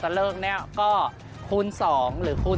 จะเลิกก็คูณ๒หรือคูณ๓